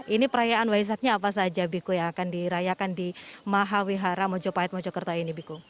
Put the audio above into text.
ini perayaan waisaknya apa saja biku yang akan dirayakan di mahavihara mojo pahit mojo kerto ini biku